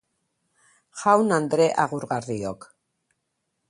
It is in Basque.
Jaun-andre agurgarriok.